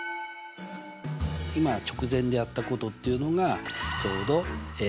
今直前でやったことっていうのがちょうど辺の長さとその対角。